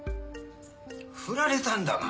フラれたんだが？